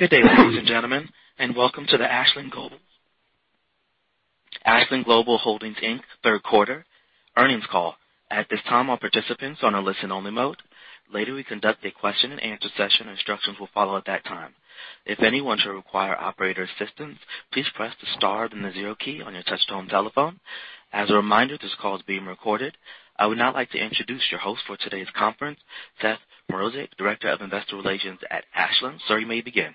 Good day, ladies and gentlemen, and welcome to the Ashland Global Holdings Inc. third quarter earnings call. At this time, all participants are on a listen-only mode. Later, we conduct a question and answer session. Instructions will follow at that time. If anyone should require operator assistance, please press the star and the zero key on your touch-tone telephone. As a reminder, this call is being recorded. I would now like to introduce your host for today's conference, Seth Mrozek, Director of Investor Relations at Ashland. Sir, you may begin.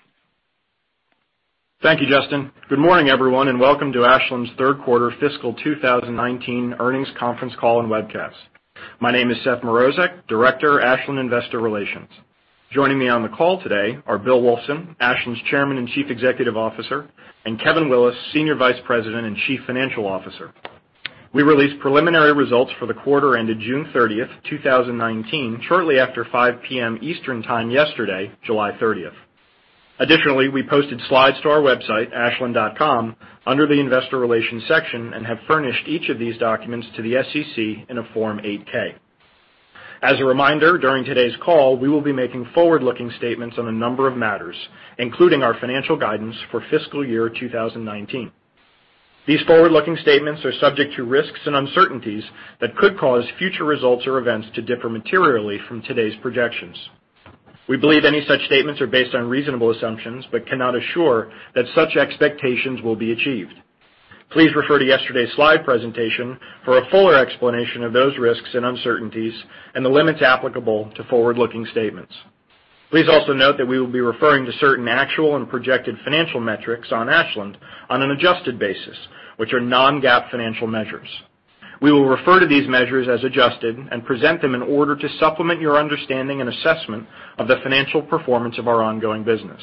Thank you, Justin. Good morning, everyone, and welcome to Ashland's third quarter fiscal 2019 earnings conference call and webcast. My name is Seth Mrozek, Director, Ashland Investor Relations. Joining me on the call today are Bill Wulfsohn, Ashland's Chairman and Chief Executive Officer, and Kevin Willis, Senior Vice President and Chief Financial Officer. We released preliminary results for the quarter ended June 30th, 2019, shortly after 5:00 P.M. Eastern Time yesterday, July 30th. Additionally, we posted slides to our website, ashland.com, under the investor relations section and have furnished each of these documents to the SEC in a Form 8-K. As a reminder, during today's call, we will be making forward-looking statements on a number of matters, including our financial guidance for fiscal year 2019. These forward-looking statements are subject to risks and uncertainties that could cause future results or events to differ materially from today's projections. We believe any such statements are based on reasonable assumptions but cannot assure that such expectations will be achieved. Please refer to yesterday's slide presentation for a fuller explanation of those risks and uncertainties and the limits applicable to forward-looking statements. Please also note that we will be referring to certain actual and projected financial metrics on Ashland on an adjusted basis, which are non-GAAP financial measures. We will refer to these measures as adjusted and present them in order to supplement your understanding and assessment of the financial performance of our ongoing business.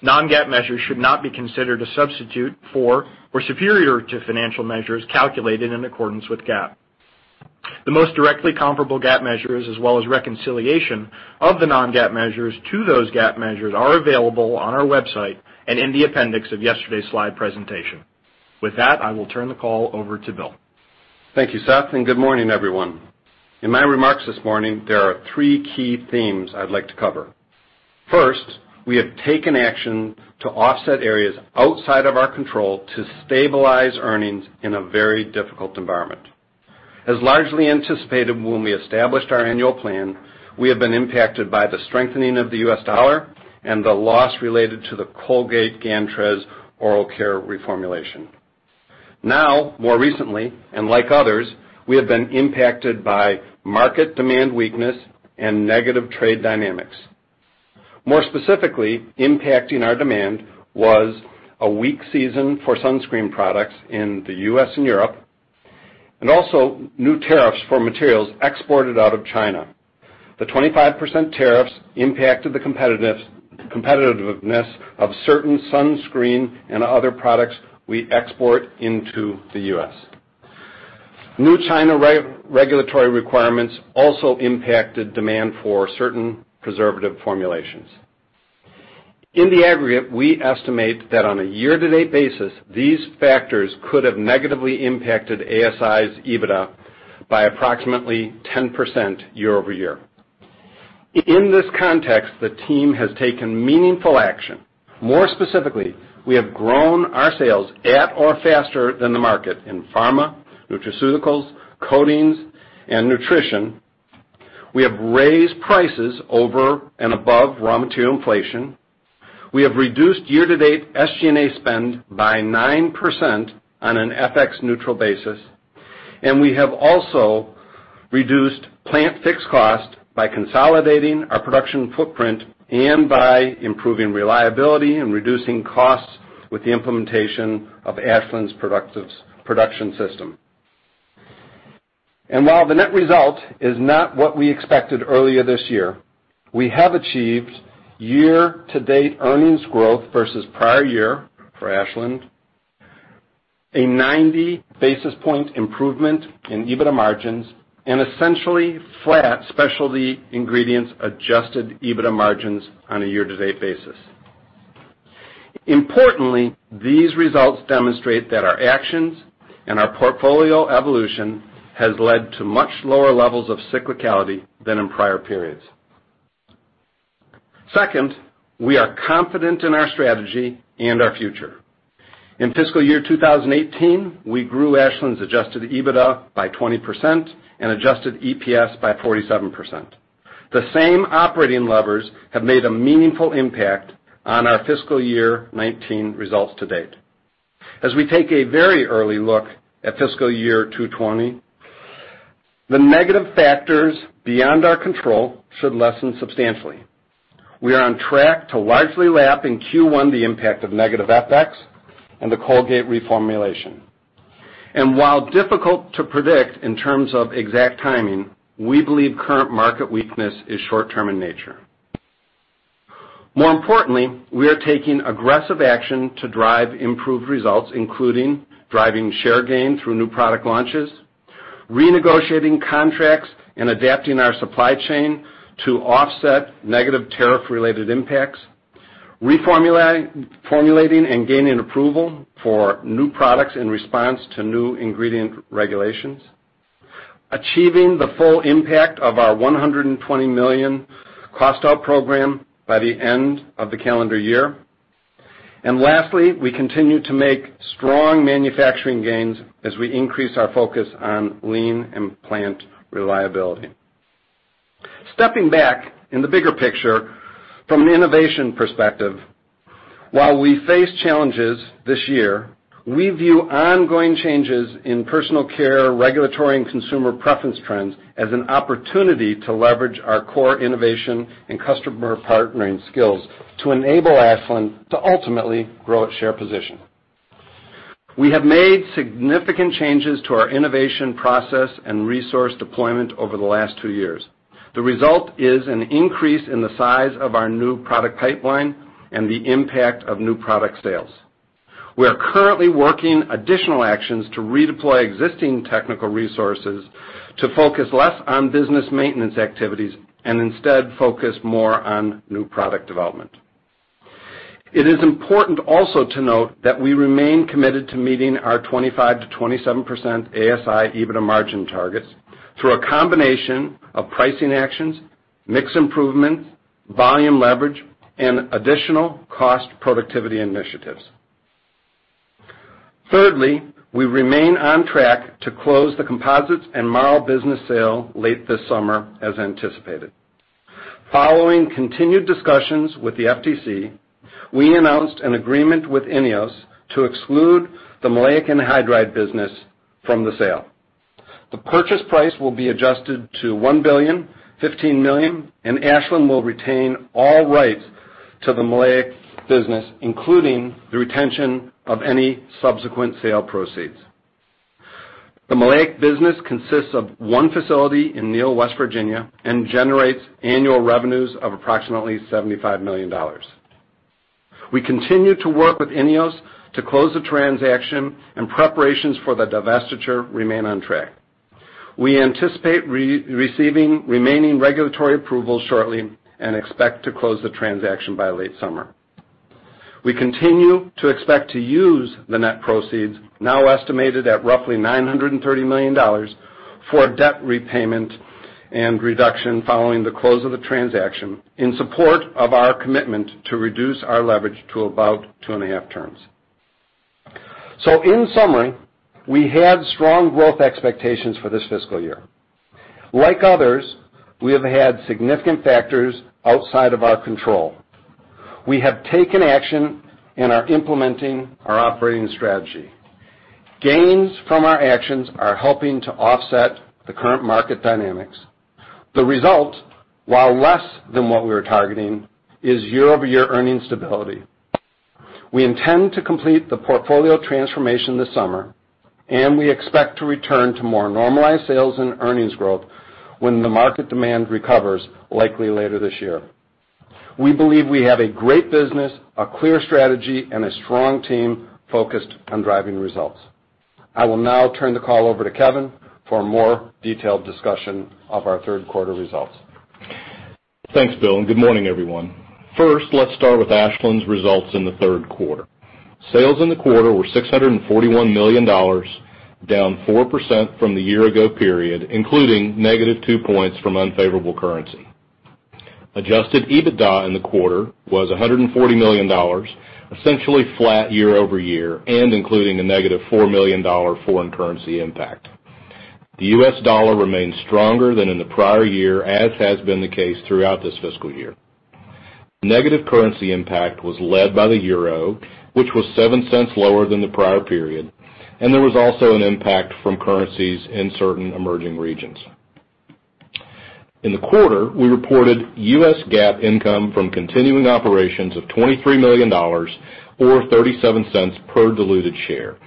Non-GAAP measures should not be considered a substitute for or superior to financial measures calculated in accordance with GAAP. The most directly comparable GAAP measures as well as reconciliation of the non-GAAP measures to those GAAP measures are available on our website and in the appendix of yesterday's slide presentation. With that, I will turn the call over to Bill. Thank you, Seth, and good morning, everyone. In my remarks this morning, there are three key themes I'd like to cover. First, we have taken action to offset areas outside of our control to stabilize earnings in a very difficult environment. As largely anticipated when we established our annual plan, we have been impacted by the strengthening of the U.S. dollar and the loss related to the Colgate-Gantrez oral care reformulation. More recently, and like others, we have been impacted by market demand weakness and negative trade dynamics. More specifically, impacting our demand was a weak season for sunscreen products in the U.S. and Europe, and also new tariffs for materials exported out of China. The 25% tariffs impacted the competitiveness of certain sunscreen and other products we export into the U.S. New China regulatory requirements also impacted demand for certain preservative formulations. In the aggregate, we estimate that on a year-to-date basis, these factors could have negatively impacted ASI's EBITDA by approximately 10% year-over-year. In this context, the team has taken meaningful action. More specifically, we have grown our sales at or faster than the market in pharma, nutraceuticals, coatings, and nutrition. We have raised prices over and above raw material inflation. We have reduced year-to-date SG&A spend by 9% on an FX neutral basis. We have also reduced plant fixed cost by consolidating our production footprint and by improving reliability and reducing costs with the implementation of Ashland Production System. While the net result is not what we expected earlier this year, we have achieved year-to-date earnings growth versus prior year for Ashland, a 90 basis point improvement in EBITDA margins, and essentially flat Specialty Ingredients adjusted EBITDA margins on a year-to-date basis. Importantly, these results demonstrate that our actions and our portfolio evolution has led to much lower levels of cyclicality than in prior periods. Second, we are confident in our strategy and our future. In fiscal year 2018, we grew Ashland's adjusted EBITDA by 20% and adjusted EPS by 47%. The same operating levers have made a meaningful impact on our fiscal year 2019 results to date. As we take a very early look at fiscal year 2020, the negative factors beyond our control should lessen substantially. We are on track to largely lap in Q1 the impact of negative FX and the Colgate reformulation. While difficult to predict in terms of exact timing, we believe current market weakness is short-term in nature. More importantly, we are taking aggressive action to drive improved results, including driving share gain through new product launches, renegotiating contracts and adapting our supply chain to offset negative tariff-related impacts, reformulating and gaining approval for new products in response to new ingredient regulations. Achieving the full impact of our $120 million cost out program by the end of the calendar year. Lastly, we continue to make strong manufacturing gains as we increase our focus on lean and plant reliability. Stepping back in the bigger picture, from an innovation perspective, while we face challenges this year, we view ongoing changes in personal care regulatory and consumer preference trends as an opportunity to leverage our core innovation and customer partnering skills to enable Ashland to ultimately grow its share position. We have made significant changes to our innovation process and resource deployment over the last two years. The result is an increase in the size of our new product pipeline and the impact of new product sales. We are currently working additional actions to redeploy existing technical resources to focus less on business maintenance activities, and instead focus more on new product development. It is important also to note that we remain committed to meeting our 25%-27% ASI EBITDA margin targets through a combination of pricing actions, mix improvements, volume leverage, and additional cost productivity initiatives. Thirdly, we remain on track to close the Composites and Marl business sale late this summer, as anticipated. Following continued discussions with the FTC, we announced an agreement with INEOS to exclude the maleic anhydride business from the sale. The purchase price will be adjusted to $1.015 billion and Ashland will retain all rights to the maleic business, including the retention of any subsequent sale proceeds. The maleic business consists of one facility in Neal, West Virginia, and generates annual revenues of approximately $75 million. We continue to work with INEOS to close the transaction and preparations for the divestiture remain on track. We anticipate receiving remaining regulatory approval shortly and expect to close the transaction by late summer. We continue to expect to use the net proceeds, now estimated at roughly $930 million, for debt repayment and reduction following the close of the transaction in support of our commitment to reduce our leverage to about 2.5 turns. In summary, we had strong growth expectations for this fiscal year. Like others, we have had significant factors outside of our control. We have taken action and are implementing our operating strategy. Gains from our actions are helping to offset the current market dynamics. The result, while less than what we were targeting, is year-over-year earning stability. We intend to complete the portfolio transformation this summer, and we expect to return to more normalized sales and earnings growth when the market demand recovers, likely later this year. We believe we have a great business, a clear strategy, and a strong team focused on driving results. I will now turn the call over to Kevin for a more detailed discussion of our third quarter results. Thanks, Bill, good morning, everyone. First, let's start with Ashland's results in the third quarter. Sales in the quarter were $641 million, down 4% from the year-ago period, including negative two points from unfavorable currency. Adjusted EBITDA in the quarter was $140 million, essentially flat year-over-year, including a negative $4 million foreign currency impact. The U.S. dollar remains stronger than in the prior year, as has been the case throughout this fiscal year. Negative currency impact was led by the euro, which was $0.07 lower than the prior period, there was also an impact from currencies in certain emerging regions. In the quarter, we reported U.S. GAAP income from continuing operations of $23 million, or $0.37 per diluted share.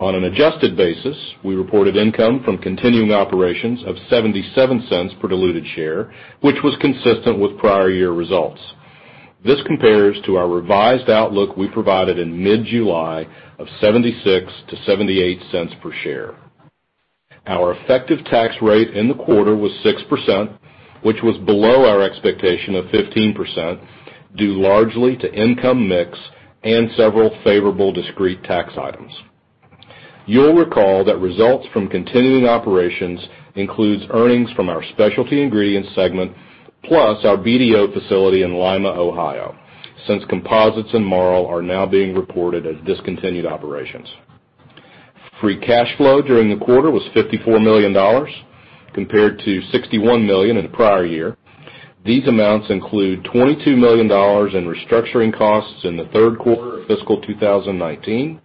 On an adjusted basis, we reported income from continuing operations of $0.77 per diluted share, which was consistent with prior year results. This compares to our revised outlook we provided in mid-July of $0.76-$0.78 per share. Our effective tax rate in the quarter was 6%, which was below our expectation of 15%, due largely to income mix and several favorable discrete tax items. You'll recall that results from continuing operations includes earnings from our Specialty Ingredients segment, plus our BDO facility in Lima, Ohio, since Composites and Marl are now being reported as discontinued operations. Free cash flow during the quarter was $54 million, compared to $61 million in the prior year. These amounts include $22 million in restructuring costs in the third quarter of fiscal 2019,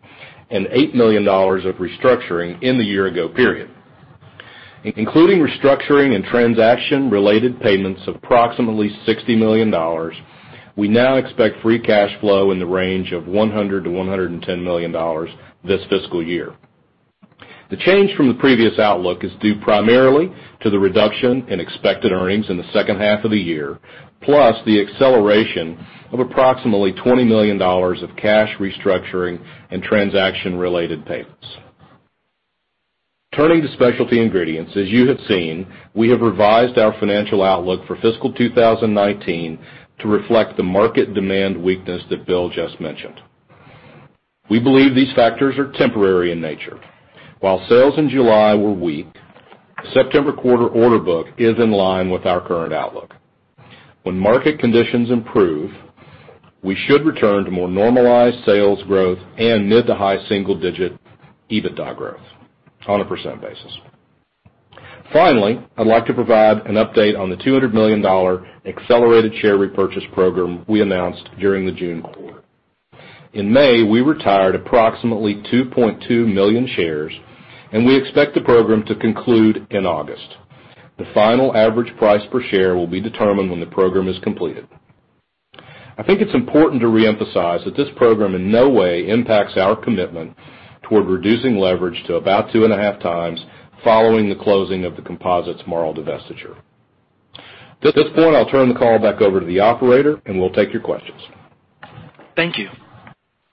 and $8 million of restructuring in the year ago period. Including restructuring and transaction related payments of approximately $60 million, we now expect free cash flow in the range of $100 million-$110 million this fiscal year. The change from the previous outlook is due primarily to the reduction in expected earnings in the second half of the year, plus the acceleration of approximately $20 million of cash restructuring and transaction related payments. Turning to Specialty Ingredients, as you have seen, we have revised our financial outlook for fiscal 2019 to reflect the market demand weakness that Bill just mentioned. We believe these factors are temporary in nature. While sales in July were weak, September quarter order book is in line with our current outlook. When market conditions improve, we should return to more normalized sales growth and mid-to-high single-digit EBITDA growth on a pecent basis. Finally, I'd like to provide an update on the $200 million accelerated share repurchase program we announced during the June quarter. In May, we retired approximately 2.2 million shares, and we expect the program to conclude in August. The final average price per share will be determined when the program is completed. I think it's important to reemphasize that this program in no way impacts our commitment toward reducing leverage to about two and a half times following the closing of the Composites Marl divestiture. At this point, I'll turn the call back over to the operator, and we'll take your questions. Thank you.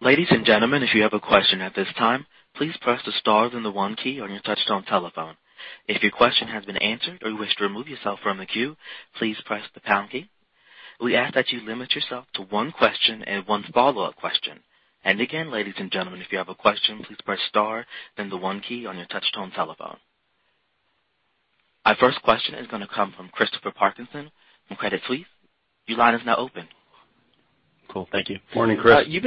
Ladies and gentlemen, if you have a question at this time, please press the star then the one key on your touchtone telephone. If your question has been answered or you wish to remove yourself from the queue, please press the pound key. We ask that you limit yourself to one question and one follow-up question. Again, ladies and gentlemen, if you have a question, please press star then the one key on your touchtone telephone. Our first question is going to come from Christopher Parkinson from Credit Suisse. Your line is now open. Cool. Thank you. Morning, Chris. Good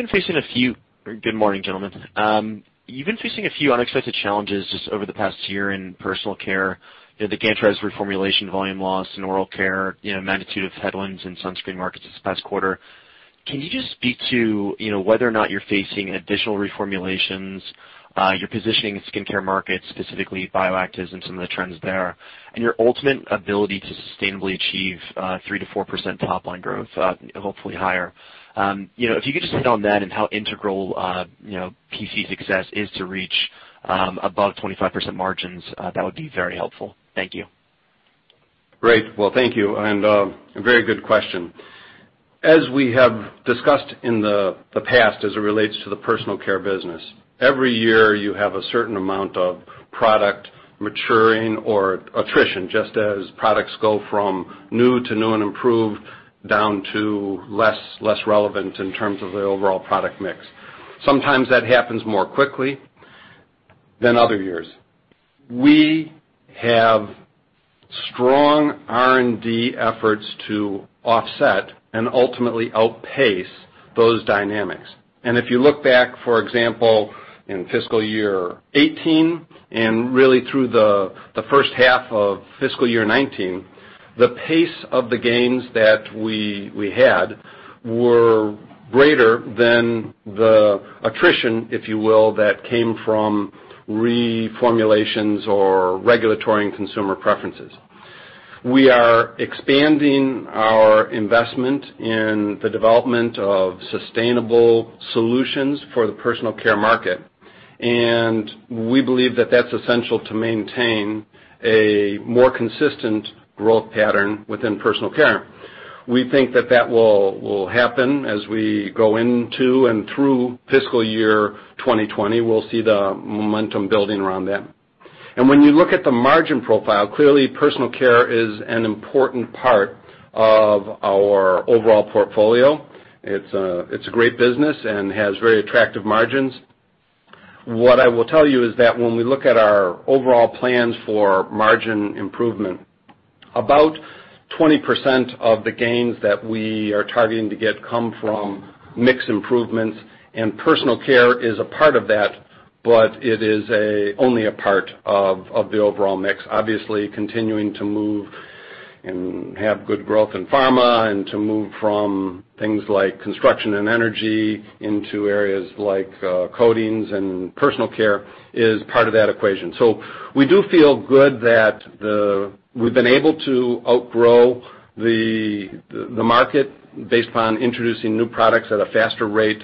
morning, gentlemen. You've been facing a few unexpected challenges just over the past year in personal care. The Gantrez reformulation volume loss in oral care, magnitude of headwinds in sunscreen markets this past quarter. Can you just speak to whether or not you're facing additional reformulations, your positioning in skincare markets, specifically bioactives and some of the trends there, and your ultimate ability to sustainably achieve 3%-4% top line growth, hopefully higher? If you could just hit on that and how integral, PC success is to reach above 25% margins, that would be very helpful. Thank you. Great. Well, thank you, and a very good question. As we have discussed in the past, as it relates to the personal care business, every year you have a certain amount of product maturing or attrition, just as products go from new to new and improved, down to less relevant in terms of the overall product mix. Sometimes that happens more quickly than other years. We have strong R&D efforts to offset and ultimately outpace those dynamics. If you look back, for example, in fiscal year 2018 and really through the first half of fiscal year 2019, the pace of the gains that we had were greater than the attrition, if you will, that came from reformulations or regulatory and consumer preferences. We are expanding our investment in the development of sustainable solutions for the personal care market, and we believe that that's essential to maintain a more consistent growth pattern within personal care. We think that that will happen as we go into and through fiscal year 2020. We'll see the momentum building around then. When you look at the margin profile, clearly personal care is an important part of our overall portfolio. It's a great business and has very attractive margins. What I will tell you is that when we look at our overall plans for margin improvement, about 20% of the gains that we are targeting to get come from mix improvements, and personal care is a part of that, but it is only a part of the overall mix. Continuing to move and have good growth in pharma and to move from things like construction and energy into areas like coatings and personal care is part of that equation. We do feel good that we've been able to outgrow the market based upon introducing new products at a faster rate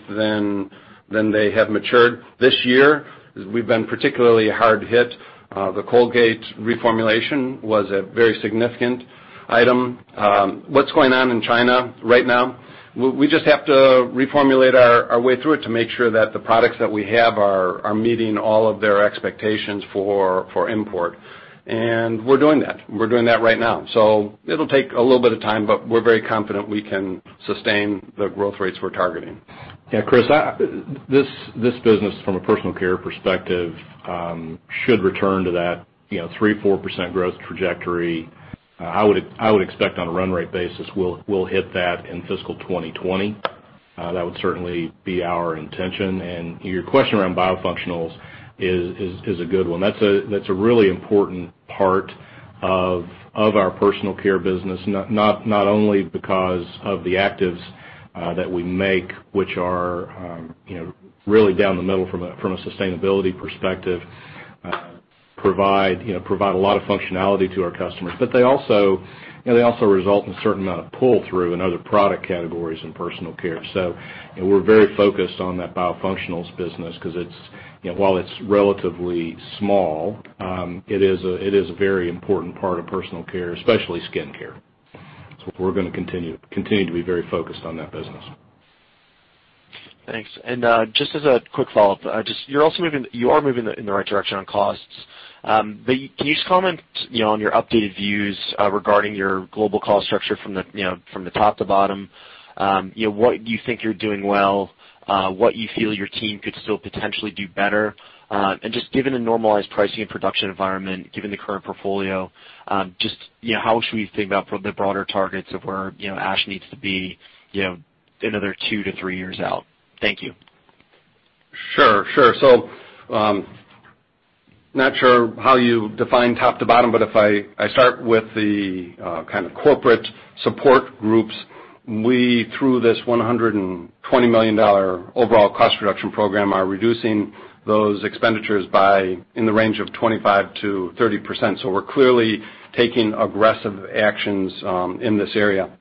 than they have matured. This year, we've been particularly hard hit. The Colgate reformulation was a very significant item. What's going on in China right now, we just have to reformulate our way through it to make sure that the products that we have are meeting all of their expectations for import. We're doing that. We're doing that right now. It'll take a little bit of time, but we're very confident we can sustain the growth rates we're targeting. Yeah, Chris, this business from a personal care perspective, should return to that 3%, 4% growth trajectory. I would expect on a run rate basis, we'll hit that in fiscal 2020. That would certainly be our intention. Your question around biofunctionals is a good one. That's a really important part of our personal care business, not only because of the actives that we make, which are really down the middle from a sustainability perspective, provide a lot of functionality to our customers. They also result in a certain amount of pull-through in other product categories in personal care. We're very focused on that biofunctionals business because while it's relatively small, it is a very important part of personal care, especially skincare. We're going to continue to be very focused on that business. Thanks. Just as a quick follow-up, you are moving in the right direction on costs. Can you just comment on your updated views regarding your global cost structure from the top to bottom? What you think you're doing well, what you feel your team could still potentially do better? Just given the normalized pricing and production environment, given the current portfolio, just how should we think about from the broader targets of where Ashland needs to be another two to three years out? Thank you. Sure. Not sure how you define top to bottom, but if I start with the kind of corporate support groups, we, through this $120 million overall cost reduction program, are reducing those expenditures by in the range of 25%-30%. We're clearly taking aggressive actions in this area.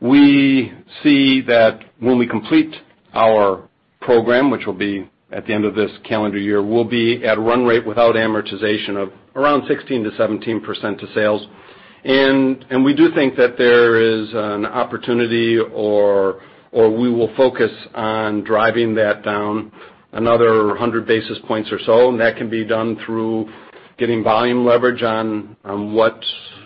We see that when we complete our program, which will be at the end of this calendar year, we'll be at run rate without amortization of around 16%-17% to sales. We do think that there is an opportunity, or we will focus on driving that down another 100 basis points or so, and that can be done through getting volume leverage on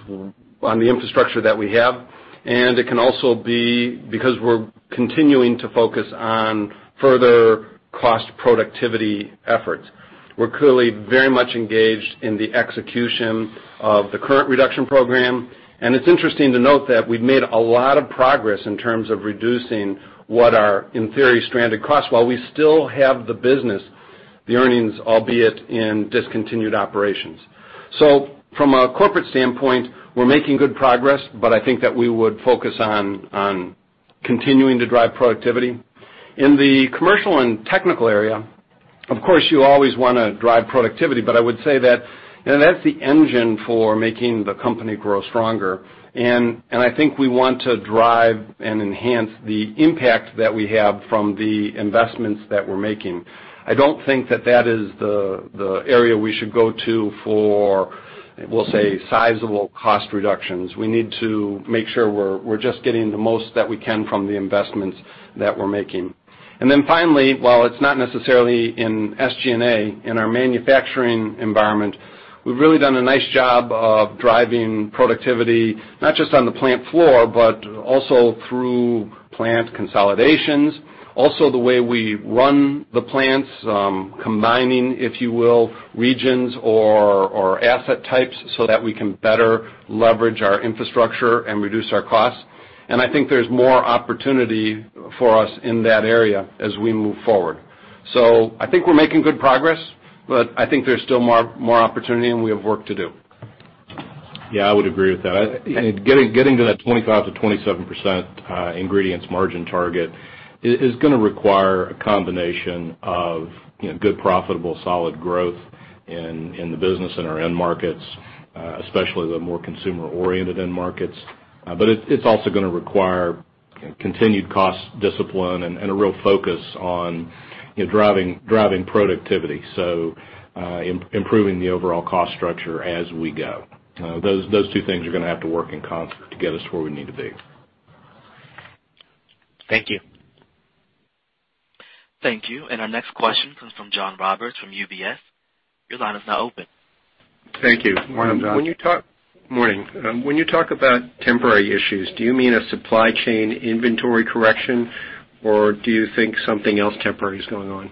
the infrastructure that we have. It can also be because we're continuing to focus on further cost productivity efforts. We're clearly very much engaged in the execution of the current reduction program. It's interesting to note that we've made a lot of progress in terms of reducing what are, in theory, stranded costs, while we still have the business, the earnings, albeit in discontinued operations. From a corporate standpoint, we're making good progress, but I think that we would focus on continuing to drive productivity. In the commercial and technical area, of course, you always want to drive productivity, but I would say that's the engine for making the company grow stronger. I think we want to drive and enhance the impact that we have from the investments that we're making. I don't think that that is the area we should go to for, we'll say, sizable cost reductions. We need to make sure we're just getting the most that we can from the investments that we're making. Finally, while it's not necessarily in SGA, in our manufacturing environment, we've really done a nice job of driving productivity, not just on the plant floor, but also through plant consolidations. The way we run the plants, combining, if you will, regions or asset types so that we can better leverage our infrastructure and reduce our costs. I think there's more opportunity for us in that area as we move forward. I think we're making good progress, but I think there's still more opportunity and we have work to do. Yeah, I would agree with that. Getting to that 25%-27% ingredients margin target is going to require a combination of good, profitable, solid growth in the business, in our end markets, especially the more consumer-oriented end markets. It's also going to require continued cost discipline and a real focus on driving productivity, so improving the overall cost structure as we go. Those two things are going to have to work in concert to get us where we need to be. Thank you. Thank you. Our next question comes from John Roberts from UBS. Your line is now open. Thank you. Morning, John. Morning. When you talk about temporary issues, do you mean a supply chain inventory correction, or do you think something else temporary is going on?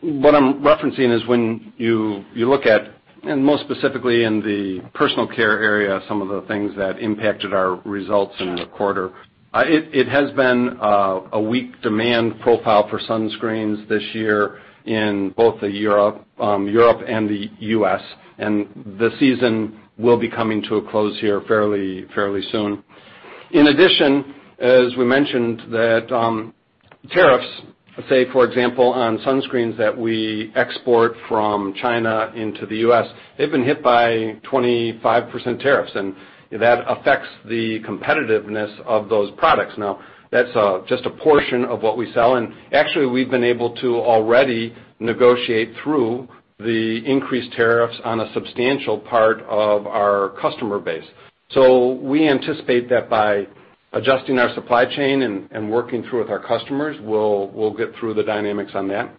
What I'm referencing is when you look at, and most specifically in the personal care area, some of the things that impacted our results in the quarter. It has been a weak demand profile for sunscreens this year in both Europe and the U.S., and the season will be coming to a close here fairly soon. In addition, as we mentioned, that tariffs, say, for example, on sunscreens that we export from China into the U.S., they've been hit by 25% tariffs, and that affects the competitiveness of those products. That's just a portion of what we sell, and actually, we've been able to already negotiate through the increased tariffs on a substantial part of our customer base. We anticipate that by adjusting our supply chain and working through with our customers, we'll get through the dynamics on that.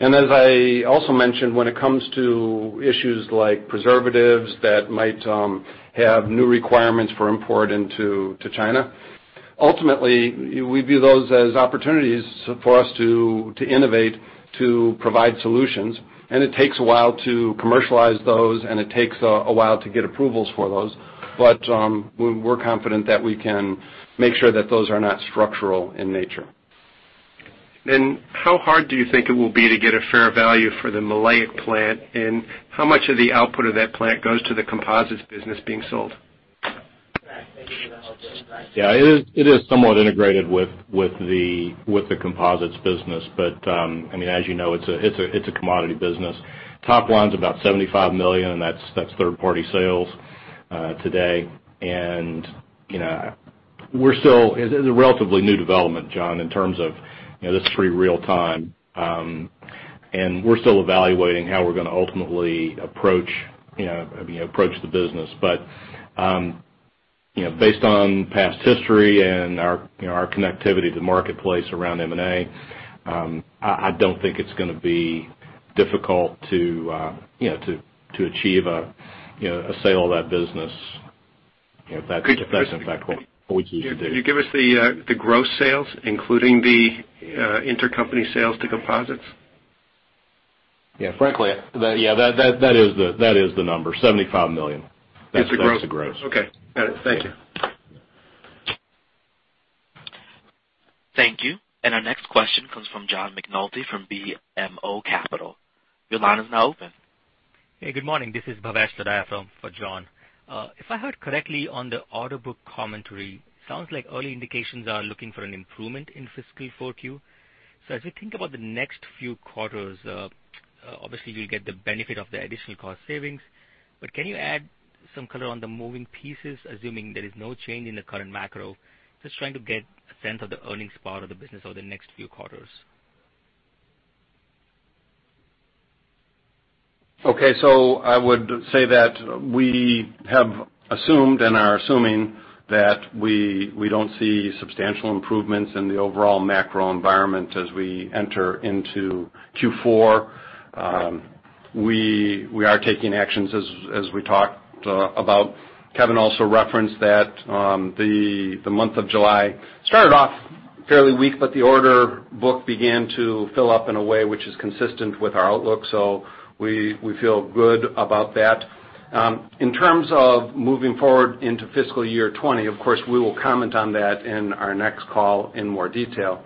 As I also mentioned, when it comes to issues like preservatives that might have new requirements for import into China, ultimately, we view those as opportunities for us to innovate, to provide solutions. It takes a while to commercialize those, and it takes a while to get approvals for those. We're confident that we can make sure that those are not structural in nature. How hard do you think it will be to get a fair value for the maleic plant, and how much of the output of that plant goes to the Composites business being sold? Yeah, it is somewhat integrated with the Composites business. As you know, it's a commodity business. Top line's about $75 million, that's third-party sales today. It's a relatively new development, John, in terms of this is pretty real time. We're still evaluating how we're going to ultimately approach the business. Based on past history and our connectivity to the marketplace around M&A, I don't think it's going to be difficult to achieve a sale of that business, if that's, in fact, what we choose to do. Can you give us the gross sales, including the intercompany sales to Composites? Yeah. Frankly, that is the number, $75 million. It's the gross? That's the gross. Okay. Got it. Thank you. Thank you. Our next question comes from John McNulty from BMO Capital. Your line is now open. Hey, good morning. This is Bhavesh Lodaya for John. If I heard correctly on the order book commentary, sounds like early indications are looking for an improvement in fiscal 4Q. As we think about the next few quarters, obviously you'll get the benefit of the additional cost savings, but can you add some color on the moving pieces, assuming there is no change in the current macro? Just trying to get a sense of the earnings part of the business over the next few quarters. Okay. I would say that we have assumed and are assuming that we don't see substantial improvements in the overall macro environment as we enter into Q4. We are taking actions, as we talked about. Kevin also referenced that the month of July started off fairly weak, but the order book began to fill up in a way which is consistent with our outlook. We feel good about that. In terms of moving forward into fiscal year 2020, of course, we will comment on that in our next call in more detail.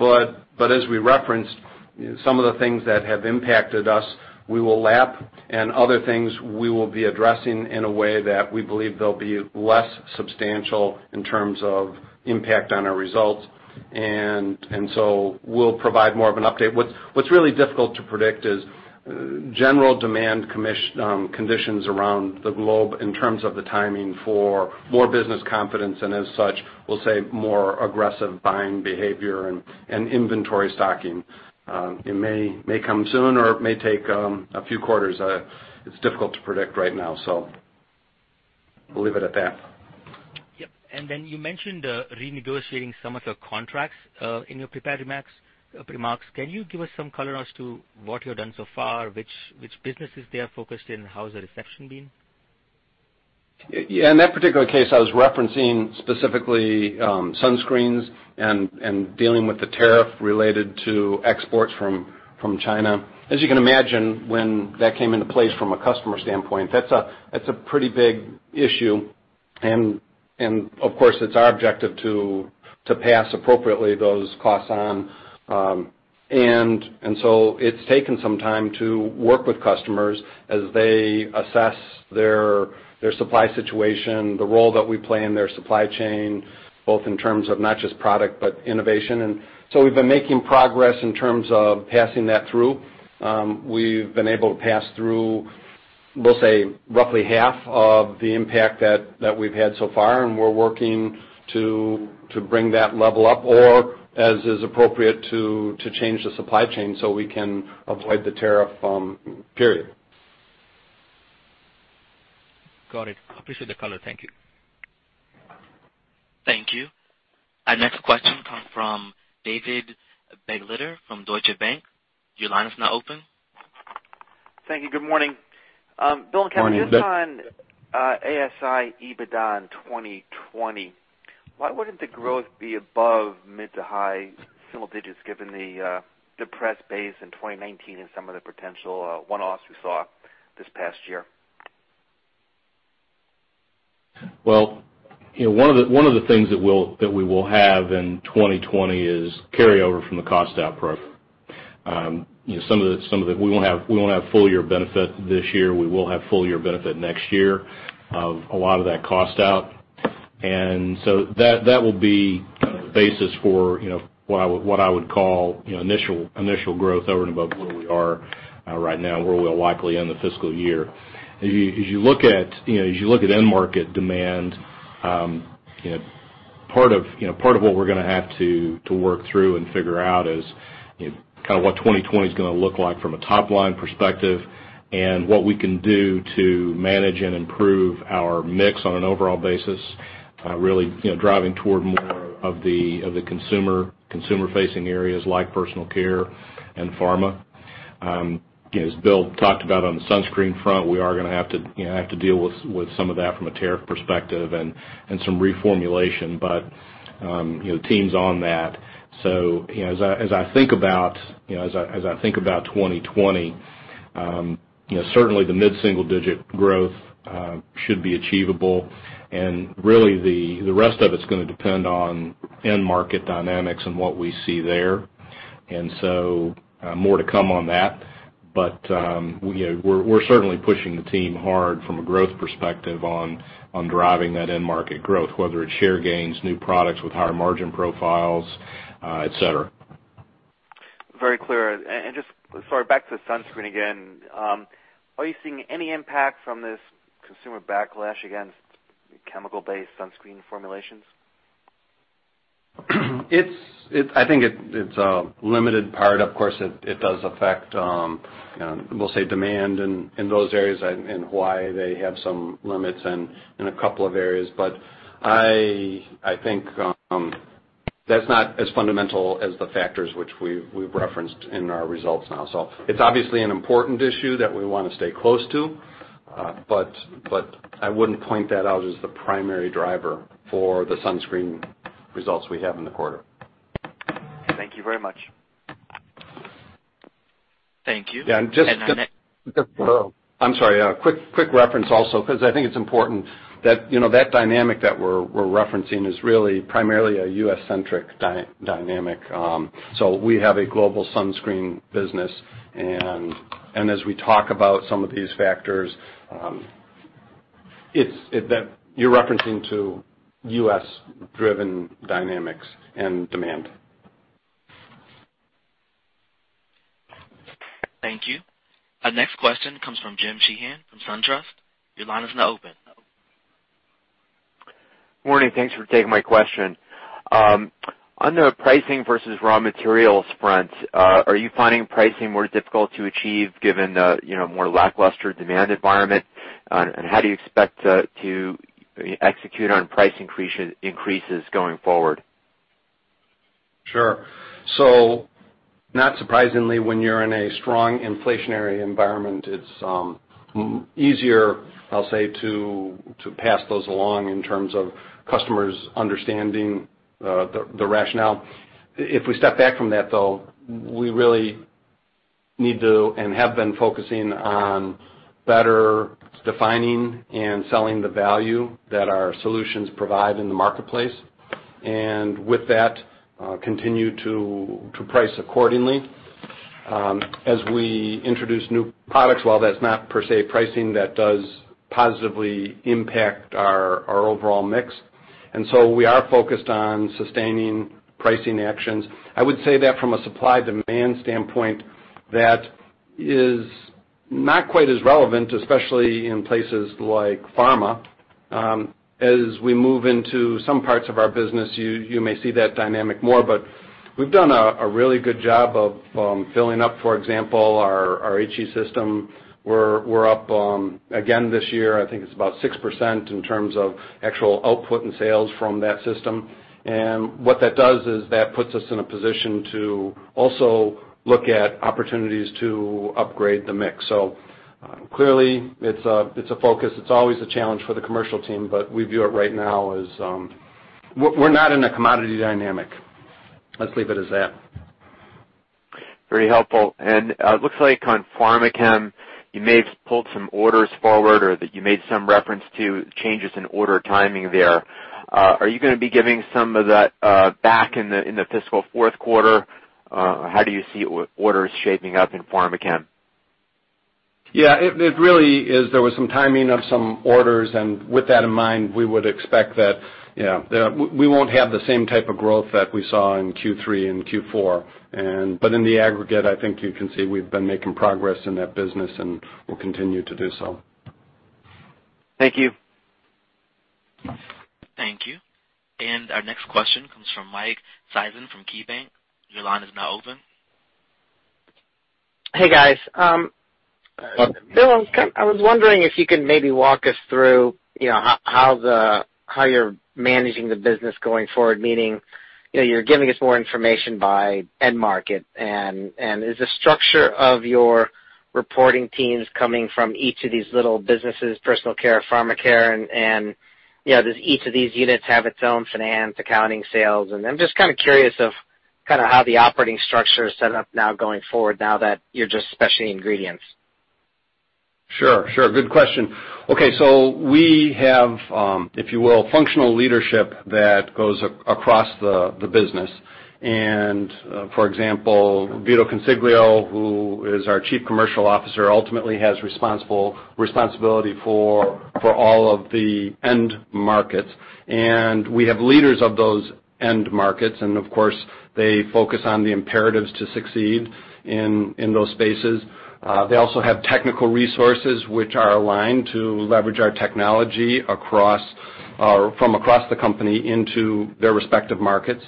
As we referenced, some of the things that have impacted us, we will lap, and other things we will be addressing in a way that we believe they'll be less substantial in terms of impact on our results. We'll provide more of an update. What's really difficult to predict is general demand conditions around the globe in terms of the timing for more business confidence, and as such, we'll say more aggressive buying behavior and inventory stocking. It may come soon or it may take a few quarters. It's difficult to predict right now, so we'll leave it at that. Yep. You mentioned renegotiating some of your contracts in your prepared remarks. Can you give us some color as to what you've done so far, which businesses they are focused in, and how has the reception been? Yeah. In that particular case, I was referencing specifically sunscreens and dealing with the tariff related to exports from China. As you can imagine, when that came into place from a customer standpoint, that's a pretty big issue. Of course, it's our objective to pass appropriately those costs on. It's taken some time to work with customers as they assess their supply situation, the role that we play in their supply chain, both in terms of not just product, but innovation. We've been making progress in terms of passing that through. We've been able to pass through, we'll say roughly half of the impact that we've had so far, and we're working to bring that level up or, as is appropriate, to change the supply chain so we can avoid the tariff period. Got it. Appreciate the color. Thank you. Thank you. Our next question comes from David Begleiter from Deutsche Bank. Your line is now open. Thank you. Good morning. Morning, Dave. Bill and Kevin, just on ASI EBITDA in 2020, why wouldn't the growth be above mid to high single digits given the depressed base in 2019 and some of the potential one-offs we saw this past year? Well, one of the things that we will have in 2020 is carryover from the cost out program. We won't have full year benefit this year. We will have full year benefit next year of a lot of that cost out. That will be kind of the basis for what I would call initial growth over and above where we are right now and where we'll likely end the fiscal year. As you look at end market demand, part of what we're going to have to work through and figure out is kind of what 2020's going to look like from a top-line perspective and what we can do to manage and improve our mix on an overall basis, really driving toward more of the consumer-facing areas like personal care and pharma. As Bill talked about on the sunscreen front, we are going to have to deal with some of that from a tariff perspective and some reformulation, but the team's on that. As I think about 2020, certainly the mid-single digit growth should be achievable, and really the rest of it's going to depend on end market dynamics and what we see there. More to come on that. We're certainly pushing the team hard from a growth perspective on driving that end market growth, whether it's share gains, new products with higher margin profiles, et cetera. Very clear. Just, sorry, back to the sunscreen again. Are you seeing any impact from this consumer backlash against chemical-based sunscreen formulations? I think it's a limited part. Of course, it does affect, we'll say, demand in those areas and why they have some limits in a couple of areas. I think that's not as fundamental as the factors which we've referenced in our results now. It's obviously an important issue that we want to stay close to, but I wouldn't point that out as the primary driver for the sunscreen results we have in the quarter. Thank you very much. Thank you. Yeah. I'm sorry, a quick reference also, because I think it's important. That dynamic that we're referencing is really primarily a U.S.-centric dynamic. We have a global sunscreen business, and as we talk about some of these factors, you're referencing to U.S.-driven dynamics and demand. Thank you. Our next question comes from Jim Sheehan from SunTrust. Your line is now open. Morning. Thanks for taking my question. On the pricing versus raw materials front, are you finding pricing more difficult to achieve given the more lackluster demand environment? How do you expect to execute on price increases going forward? Sure. Not surprisingly, when you're in a strong inflationary environment, it's easier, I'll say, to pass those along in terms of customers understanding the rationale. If we step back from that, though, we really need to and have been focusing on better defining and selling the value that our solutions provide in the marketplace. With that, continue to price accordingly. As we introduce new products, while that's not per se pricing, that does positively impact our overall mix. We are focused on sustaining pricing actions. I would say that from a supply/demand standpoint, that is not quite as relevant, especially in places like pharma. As we move into some parts of our business, you may see that dynamic more, but we've done a really good job of filling up, for example, our HEC system. We're up again this year. I think it's about 6% in terms of actual output and sales from that system. What that does is that puts us in a position to also look at opportunities to upgrade the mix. Clearly it's a focus. It's always a challenge for the commercial team, but we view it right now as we're not in a commodity dynamic. Let's leave it as that. Very helpful. It looks like on Pharmachem, you may have pulled some orders forward or that you made some reference to changes in order timing there. Are you going to be giving some of that back in the fiscal fourth quarter? How do you see orders shaping up in Pharmachem? Yeah. There was some timing of some orders, and with that in mind, we would expect that we won't have the same type of growth that we saw in Q3 and Q4. In the aggregate, I think you can see we've been making progress in that business, and we'll continue to do so. Thank you. Thank you. Our next question comes from Mike Sison from KeyBanc. Your line is now open. Hey, guys. Welcome. Bill, I was wondering if you could maybe walk us through how you're managing the business going forward, meaning you're giving us more information by end market. Is the structure of your reporting teams coming from each of these little businesses, personal care, pharma care, and does each of these units have its own finance, accounting, sales? I'm just curious of how the operating structure is set up now going forward now that you're just Specialty Ingredients. Sure. Good question. Okay. We have, if you will, functional leadership that goes across the business. For example, Vito Consiglio, who is our Chief Commercial Officer, ultimately has responsibility for all of the end markets. We have leaders of those end markets, and of course, they focus on the imperatives to succeed in those spaces. They also have technical resources which are aligned to leverage our technology from across the company into their respective markets.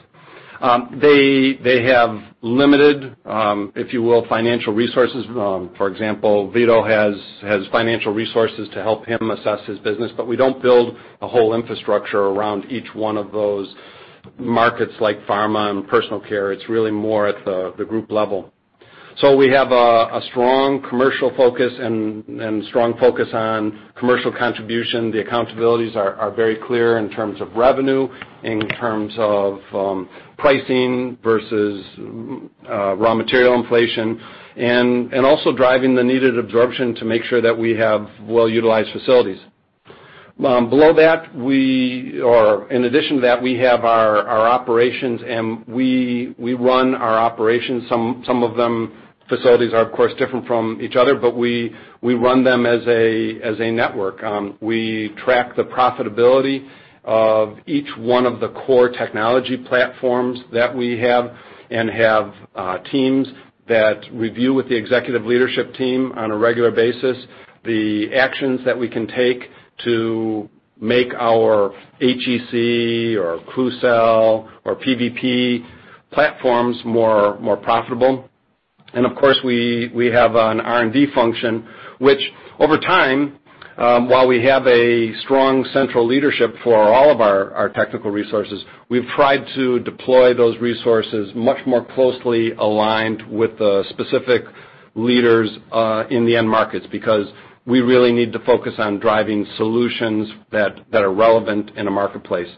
They have limited, if you will, financial resources. For example, Vito has financial resources to help him assess his business, but we don't build a whole infrastructure around each one of those markets like pharma and personal care. It's really more at the group level. We have a strong commercial focus and strong focus on commercial contribution. The accountabilities are very clear in terms of revenue, in terms of pricing versus raw material inflation, and also driving the needed absorption to make sure that we have well-utilized facilities. Below that, or in addition to that, we have our operations. We run our operations. Some of the facilities are, of course, different from each other, but we run them as a network. We track the profitability of each one of the core technology platforms that we have. Have teams that review with the executive leadership team on a regular basis the actions that we can take to make our HEC or Klucel or PVP platforms more profitable. Of course, we have an R&D function which, over time, while we have a strong central leadership for all of our technical resources, we've tried to deploy those resources much more closely aligned with the specific leaders in the end markets, because we really need to focus on driving solutions that are relevant in a marketplace.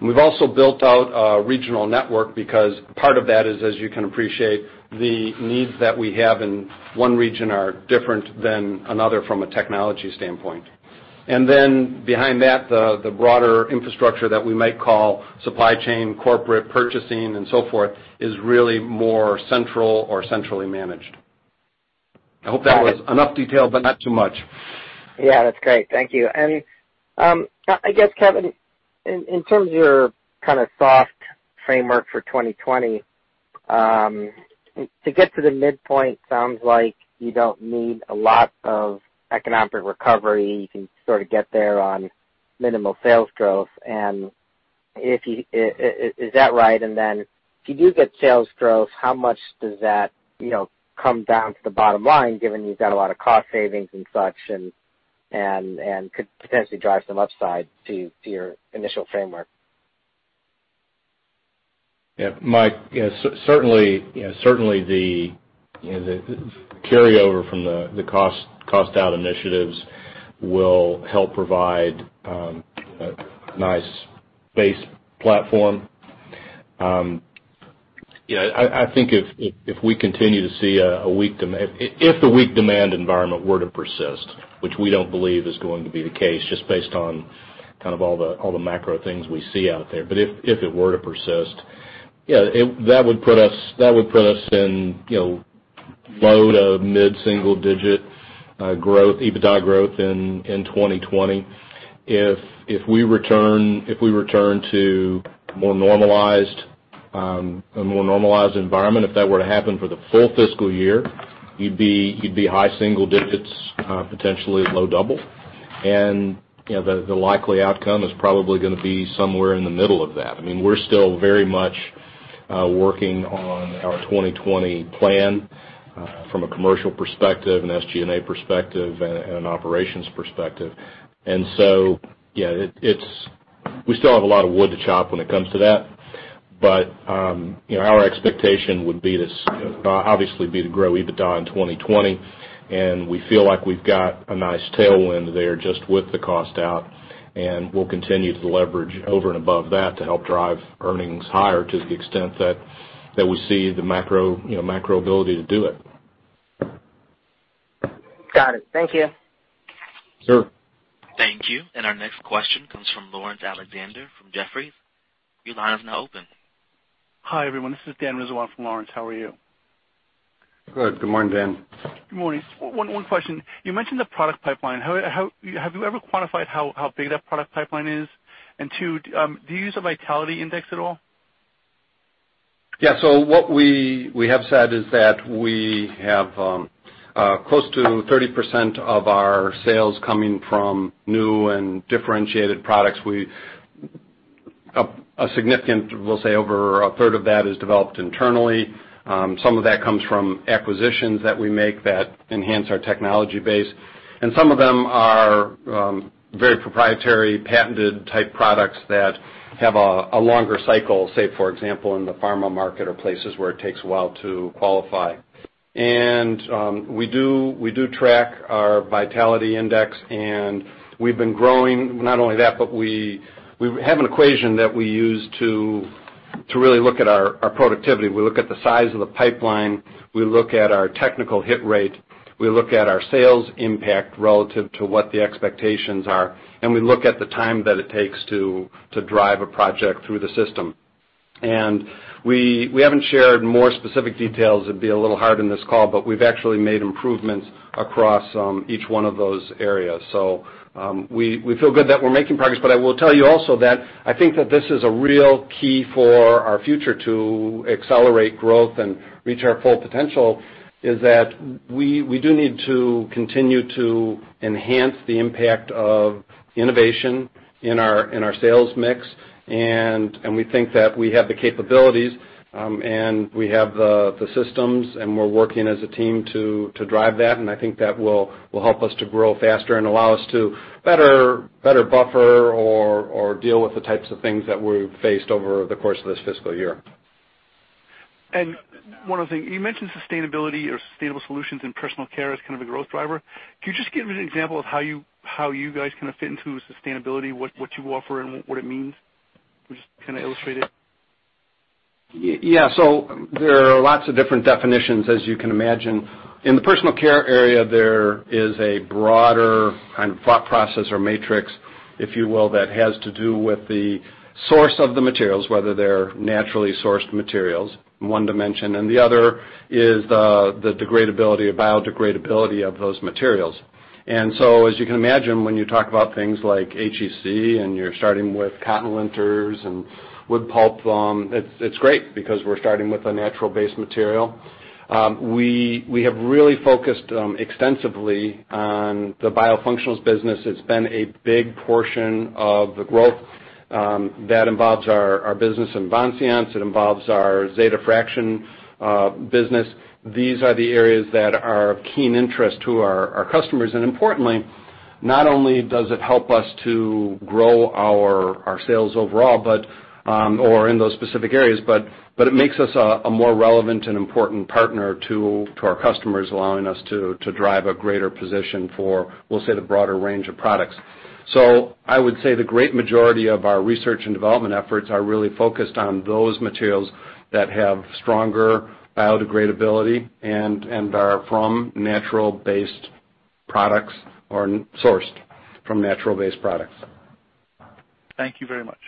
We've also built out a regional network because part of that is, as you can appreciate, the needs that we have in one region are different than another from a technology standpoint. Then behind that, the broader infrastructure that we might call supply chain, corporate purchasing, and so forth, is really more central or centrally managed. I hope that was enough detail, but not too much. Yeah, that's great. Thank you. I guess, Kevin, in terms of your soft framework for 2020, to get to the midpoint sounds like you don't need a lot of economic recovery. You can sort of get there on minimal sales growth. Is that right? If you do get sales growth, how much does that come down to the bottom line, given you've got a lot of cost savings and such and could potentially drive some upside to your initial framework? Yeah, Mike. Certainly, the carryover from the cost-out initiatives will help provide a nice base platform. I think if we continue to see If the weak demand environment were to persist, which we don't believe is going to be the case, just based on kind of all the macro things we see out there. If it were to persist, that would put us in low to mid-single digit EBITDA growth in 2020. If we return to a more normalized environment, if that were to happen for the full fiscal year, you'd be high single digits, potentially low double. The likely outcome is probably going to be somewhere in the middle of that. We're still very much working on our 2020 plan from a commercial perspective, an SGA perspective, and an operations perspective. We still have a lot of wood to chop when it comes to that. Our expectation would obviously be to grow EBITDA in 2020. We feel like we've got a nice tailwind there just with the cost-out, and we'll continue to leverage over and above that to help drive earnings higher to the extent that we see the macro ability to do it. Got it. Thank you. Sure. Thank you. Our next question comes from Laurence Alexander from Jefferies. Your line is now open. Hi, everyone. This is Dan Rizwan from Laurence. How are you? Good. Good morning, Dan. Good morning. One question. You mentioned the product pipeline. Have you ever quantified how big that product pipeline is? Two, do you use a vitality index at all? What we have said is that we have close to 30% of our sales coming from new and differentiated products. A significant, we'll say over a third of that is developed internally. Some of that comes from acquisitions that we make that enhance our technology base, and some of them are very proprietary, patented type products that have a longer cycle, say for example, in the pharma market or places where it takes a while to qualify. We do track our vitality index, and we've been growing not only that, but we have an equation that we use to really look at our productivity. We look at the size of the pipeline, we look at our technical hit rate, we look at our sales impact relative to what the expectations are, and we look at the time that it takes to drive a project through the system. We haven't shared more specific details, it'd be a little hard in this call, but we've actually made improvements across each one of those areas. We feel good that we're making progress. I will tell you also that I think that this is a real key for our future to accelerate growth and reach our full potential, is that we do need to continue to enhance the impact of innovation in our sales mix. We think that we have the capabilities, and we have the systems, and we're working as a team to drive that. I think that will help us to grow faster and allow us to better buffer or deal with the types of things that we've faced over the course of this fiscal year. One other thing. You mentioned sustainability or sustainable solutions in personal care as kind of a growth driver. Can you just give me an example of how you guys kind of fit into sustainability, what you offer and what it means? Just kind of illustrate it. Yeah. There are lots of different definitions, as you can imagine. In the personal care area, there is a broader kind of thought process or matrix, if you will, that has to do with the source of the materials, whether they're naturally sourced materials, one dimension. The other is the degradability, the biodegradability of those materials. As you can imagine, when you talk about things like HEC and you're starting with cotton linters and wood pulp, it's great because we're starting with a natural base material. We have really focused extensively on the biofunctionals business. It's been a big portion of the growth, that involves our business in Vincience, it involves our Zeta Fraction business. These are the areas that are of keen interest to our customers. Importantly, not only does it help us to grow our sales overall, or in those specific areas, but it makes us a more relevant and important partner to our customers, allowing us to drive a greater position for, we'll say, the broader range of products. I would say the great majority of our research and development efforts are really focused on those materials that have stronger biodegradability and are from natural-based products or are sourced from natural-based products. Thank you very much.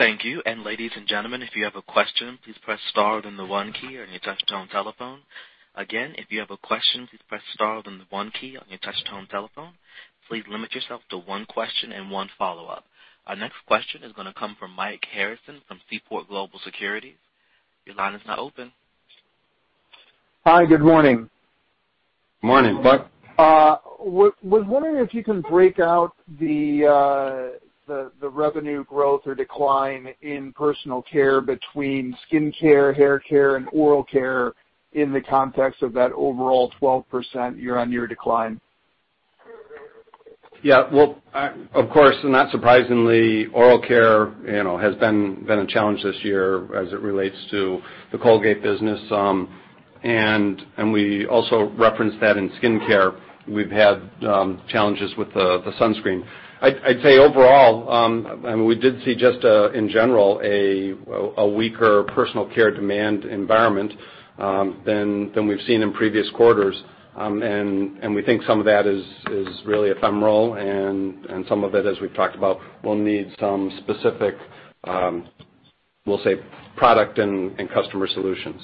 Thank you. Ladies and gentlemen, if you have a question, please press star then the one key on your touch-tone telephone. Again, if you have a question, please press star then the one key on your touch-tone telephone. Please limit yourself to one question and one follow-up. Our next question is going to come from Mike Harrison from Seaport Global Securities. Your line is now open. Hi, good morning. Morning, Mike. Was wondering if you can break out the revenue growth or decline in personal care between skin care, hair care, and oral care in the context of that overall 12% year-on-year decline? Yeah. Well, of course, not surprisingly, oral care has been a challenge this year as it relates to the Colgate business. We also referenced that in skin care, we've had challenges with the sunscreen. I'd say overall, we did see just, in general, a weaker personal care demand environment than we've seen in previous quarters. We think some of that is really ephemeral and some of it, as we've talked about, will need some specific, we'll say, product and customer solutions.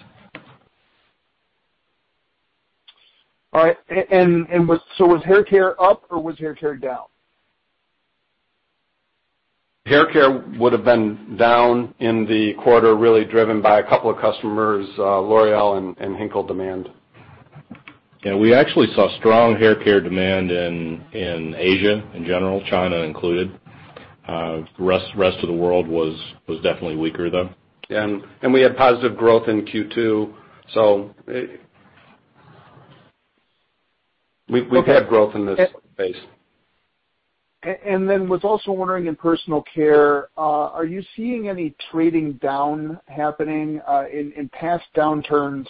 All right. Was hair care up or was hair care down? Hair care would've been down in the quarter, really driven by a couple of customers, L'Oréal and Henkel demand. Yeah, we actually saw strong hair care demand in Asia in general, China included. Rest of the world was definitely weaker, though. We had positive growth in Q2. We've had growth in this space. Was also wondering in personal care, are you seeing any trading down happening? In past downturns,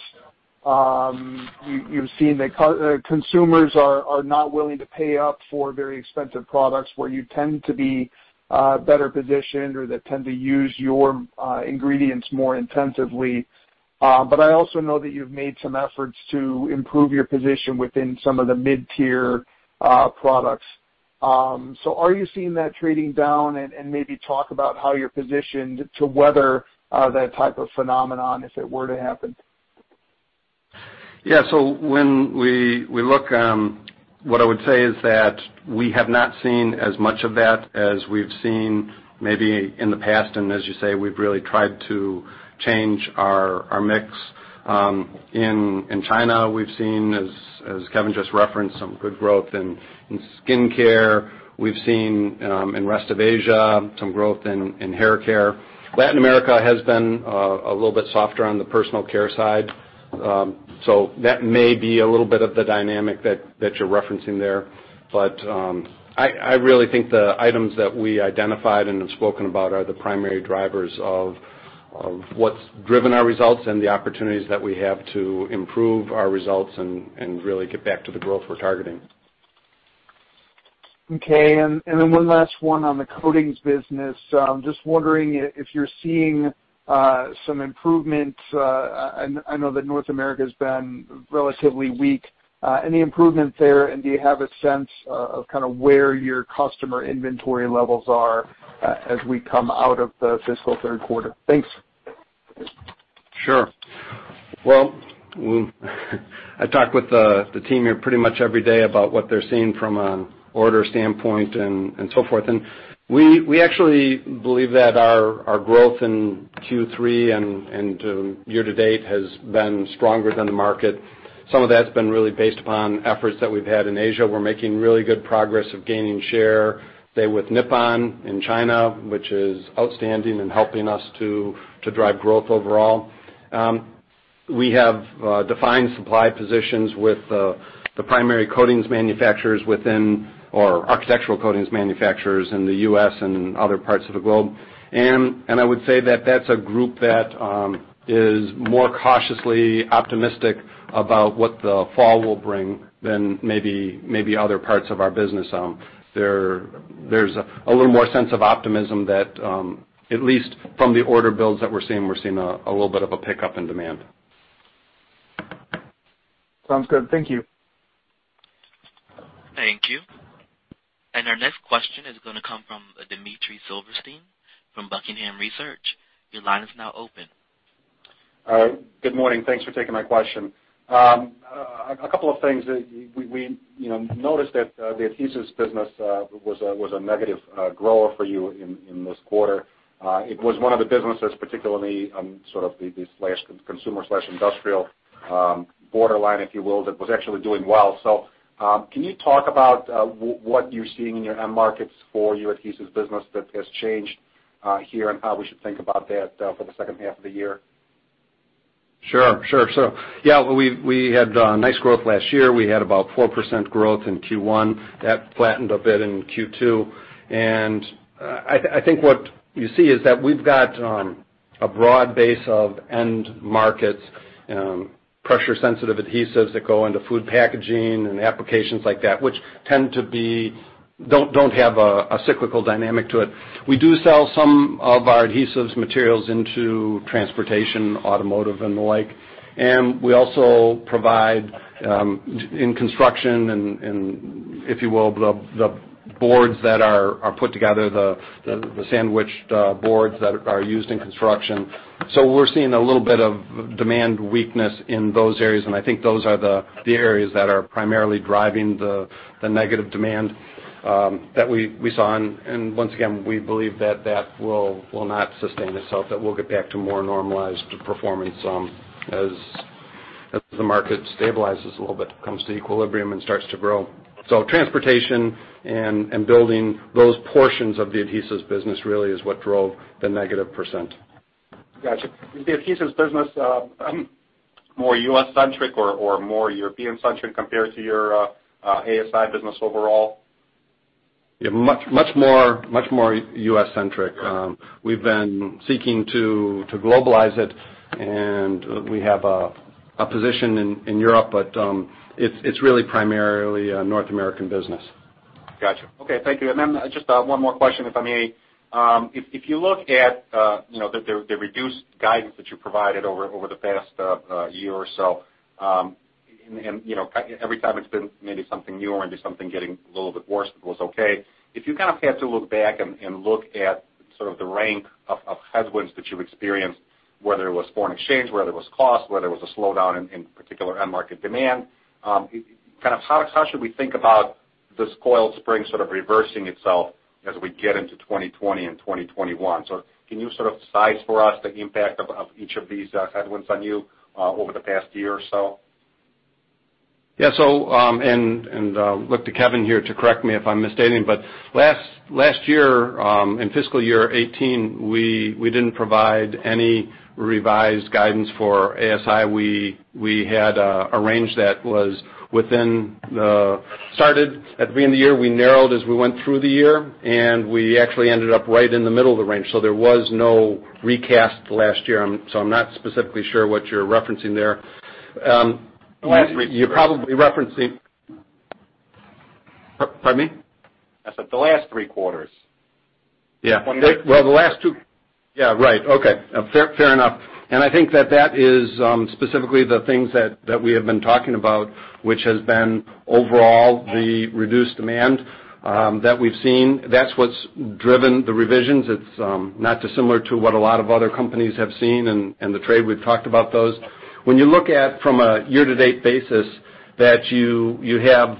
you've seen that consumers are not willing to pay up for very expensive products where you tend to be better positioned or that tend to use your ingredients more intensively. I also know that you've made some efforts to improve your position within some of the mid-tier products. Are you seeing that trading down, and maybe talk about how you're positioned to weather that type of phenomenon if it were to happen? Yeah. When we look, what I would say is that we have not seen as much of that as we've seen maybe in the past, and as you say, we've really tried to change our mix. In China, we've seen, as Kevin just referenced, some good growth in skin care. We've seen in rest of Asia some growth in hair care. Latin America has been a little bit softer on the personal care side. That may be a little bit of the dynamic that you're referencing there. I really think the items that we identified and have spoken about are the primary drivers of what's driven our results and the opportunities that we have to improve our results and really get back to the growth we're targeting. Okay. One last one on the coatings business. Just wondering if you're seeing some improvement. I know that North America's been relatively weak. Any improvement there, and do you have a sense of where your customer inventory levels are as we come out of the fiscal third quarter? Thanks. Sure. Well, I talk with the team here pretty much every day about what they're seeing from an order standpoint and so forth. We actually believe that our growth in Q3 and year to date has been stronger than the market. Some of that's been really based upon efforts that we've had in Asia. We're making really good progress of gaining share, say, with Nippon in China, which is outstanding and helping us to drive growth overall. We have defined supply positions with the primary coatings manufacturers or architectural coatings manufacturers in the U.S. and other parts of the globe. I would say that that's a group that is more cautiously optimistic about what the fall will bring than maybe other parts of our business. There's a little more sense of optimism that, at least from the order builds that we're seeing, we're seeing a little bit of a pickup in demand. Sounds good. Thank you. Thank you. Our next question is going to come from Dmitry Silverstein from Buckingham Research. Your line is now open. Good morning. Thanks for taking my question. A couple of things. We noticed that the adhesives business was a negative grower for you in this quarter. It was one of the businesses, particularly, the consumer/industrial borderline, if you will, that was actually doing well. Can you talk about what you're seeing in your end markets for your adhesives business that has changed here, and how we should think about that for the second half of the year? Sure. Yeah, we had nice growth last year. We had about 4% growth in Q1. That flattened a bit in Q2. I think what you see is that we've got a broad base of end markets, pressure-sensitive adhesives that go into food packaging and applications like that, which tend to don't have a cyclical dynamic to it. We do sell some of our adhesives materials into transportation, automotive, and the like. We also provide, in construction, if you will, the boards that are put together, the sandwiched boards that are used in construction. We're seeing a little bit of demand weakness in those areas, and I think those are the areas that are primarily driving the negative demand that we saw. Once again, we believe that that will not sustain itself, that we'll get back to more normalized performance as the market stabilizes a little bit, comes to equilibrium and starts to grow. Transportation and building, those portions of the adhesives business really is what drove the negative %. Got you. Is the adhesives business more U.S.-centric or more European-centric compared to your ASI business overall? Yeah, much more U.S.-centric. Got it. We've been seeking to globalize it, and we have a position in Europe, but it's really primarily a North American business. Got you. Okay, thank you. Then just one more question, if I may. If you look at the reduced guidance that you provided over the past year or so, and every time it's been maybe something new or into something getting a little bit worse, but was okay. If you kind of had to look back and look at sort of the rank of headwinds that you've experienced, whether it was foreign exchange, whether it was cost, whether it was a slowdown in particular end market demand, how should we think about this coiled spring sort of reversing itself as we get into 2020 and 2021? Can you sort of size for us the impact of each of these headwinds on you over the past year or so? Yeah. Look to Kevin here to correct me if I'm misstating, but last year, in fiscal year 2018, we didn't provide any revised guidance for ASI. We had a range that was started at the beginning of the year. We narrowed as we went through the year, and we actually ended up right in the middle of the range. There was no recast last year. I'm not specifically sure what you're referencing there. The last three quarters. You're probably referencing. Pardon me? I said the last three quarters. Yeah. One minute. Well, the last two. Yeah, right. Okay. Fair enough. I think that that is specifically the things that we have been talking about, which has been overall the reduced demand that we've seen. That's what's driven the revisions. It's not dissimilar to what a lot of other companies have seen, and the trade, we've talked about those. When you look at from a year-to-date basis that you have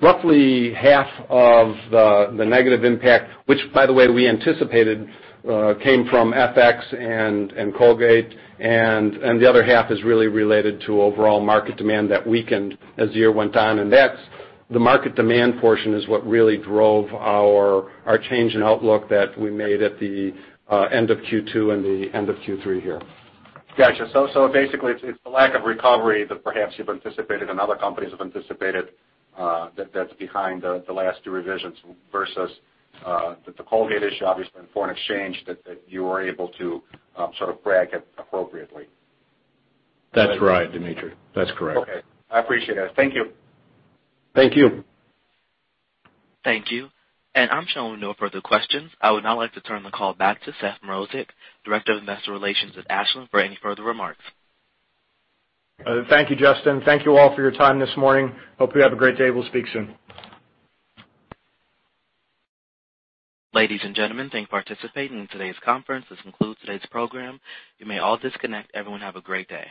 roughly half of the negative impact, which by the way we anticipated, came from FX and Colgate, and the other half is really related to overall market demand that weakened as the year went on. The market demand portion is what really drove our change in outlook that we made at the end of Q2 and the end of Q3 here. Got you. Basically, it's the lack of recovery that perhaps you've anticipated and other companies have anticipated that's behind the last two revisions versus the Colgate issue, obviously, and foreign exchange that you were able to sort of brag appropriately. That's right, Dmitry. That's correct. Okay. I appreciate it. Thank you. Thank you. Thank you. I'm showing no further questions. I would now like to turn the call back to Seth Mrozek, Director of Investor Relations at Ashland, for any further remarks. Thank you, Justin. Thank you all for your time this morning. Hope you have a great day. We'll speak soon. Ladies and gentlemen, thank you for participating in today's conference. This concludes today's program. You may all disconnect. Everyone have a great day.